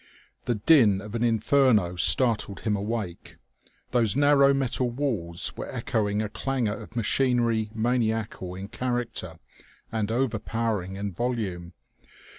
The din of an inferno startled him awake. Those narrow metal walls were echoing a clangour of machinery maniacal in character and overpowering in volume.